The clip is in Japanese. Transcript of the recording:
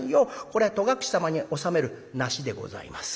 これは戸隠様に納める梨でございます」。